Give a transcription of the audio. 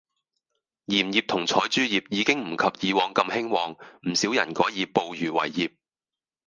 鹽業同採珠業已經唔及以往咁興旺，唔少人改以捕漁為業